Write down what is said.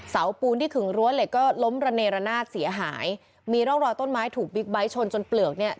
ปูนที่ขึงรั้วเหล็กก็ล้มระเนรนาศเสียหายมีร่องรอยต้นไม้ถูกบิ๊กไบท์ชนจนเปลือกเนี่ย